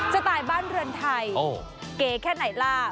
สไตล์บ้านเรือนไทยเก๋แค่ไหนล่ะ